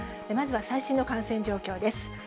まずは最新の感染状況です。